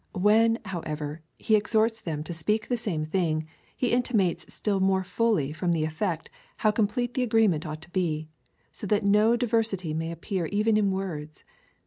When, however, he exhorts them to speak the same thing, he intimates still more fully from the effect, how complete the agreement ought to be — so that no diver sity may appear even in words.